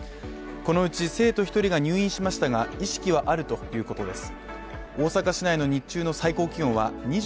このうち生徒１人が入院しましたが、意識はあるということです。